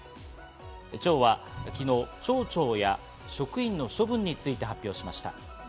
町は昨日、町長や職員の処分について発表しました。